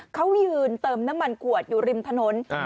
เขายืนเติมน้ำมันขวดอยู่ริมถนน